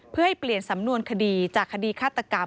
เพื่อให้เปลี่ยนสำนวนคดีจากคดีฆาตกรรม